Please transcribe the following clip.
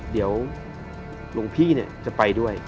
เดี๋ยวหลวงพี่จะไปด้วย